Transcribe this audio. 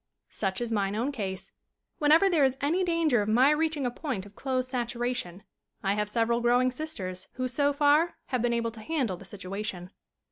Such is mine own case. Whenever there is any danger of my reaching a point of clothes saturation I have several growing sisters who, so far, have been able to handle the situation.